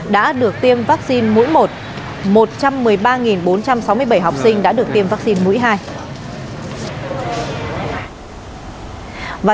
đã được tiêm vaccine mũi một một trăm một mươi ba bốn trăm sáu mươi bảy học sinh đã được tiêm vaccine mũi hai